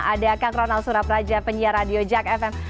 adakah kronal surapraja penyiar radio jack fm